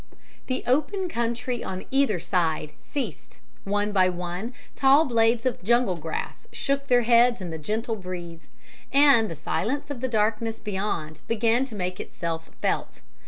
The open country on either side ceased, one by one tall blades of jungle grass shook their heads in the gentle breeze, and the silence of the darkness beyond began to make itself felt.